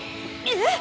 えっ？